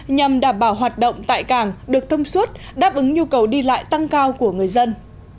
nhằm đảm bảo hoạt động tại cảng được thông suốt đáp ứng nhu cầu đi lại tăng cao của người dân